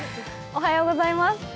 おはようございます。